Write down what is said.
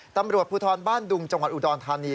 ตำรวจภูทรบ้านดุงจังหวัดอุดรธานี